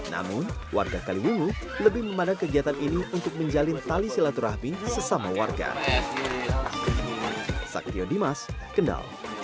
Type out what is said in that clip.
namun warga kaliwungu lebih memandang kegiatan ini untuk menjalin tali silaturahmi sesama warga